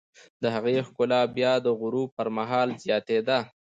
د هغې ښکلا بیا د غروب پر مهال زیاتېده.